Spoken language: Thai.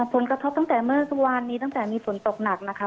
ผลกระทบตั้งแต่เมื่อวานี้ตั้งแต่มีฝนตกหนักนะคะ